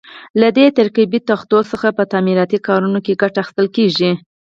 له دې ترکیبي تختو څخه په تعمیراتي کارونو کې ګټه اخیستل کېږي.